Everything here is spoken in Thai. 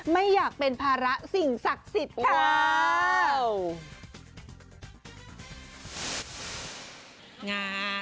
ไม่อยากเป็นภาระสิ่งศักดิ์สิทธิ์ค่ะ